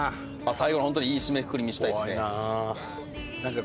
最後本当にいい締めくくりにしたいですね。